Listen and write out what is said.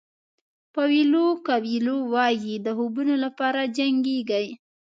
پاویلو کویلو وایي د خوبونو لپاره جنګېږئ.